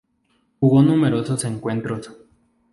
Jugó numerosos encuentros.